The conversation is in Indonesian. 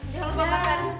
jalan bapak keari